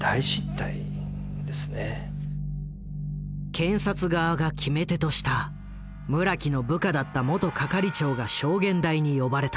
検察側が決め手とした村木の部下だった元係長が証言台に呼ばれた。